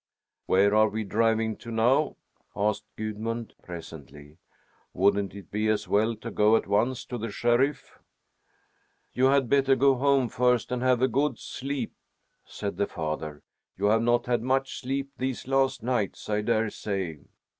"Where are we driving to now?" asked Gudmund presently. "Wouldn't it be as well to go at once to the sheriff?" "You had better go home first and have a good sleep," said the father. "You have not had much sleep these last nights, I dare say."